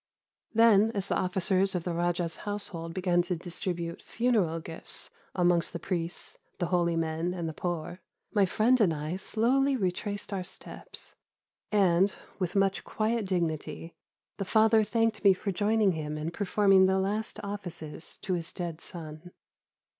"Then, as the officers of the raja's household began to distribute funeral gifts amongst the priests, the holy men, and the poor, my friend and I slowly retraced our steps, and, with much quiet dignity, the father thanked me for joining him in performing the last offices to his dead son.